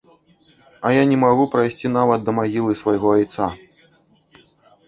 А я не магу прайсці нават да магілы свайго айца.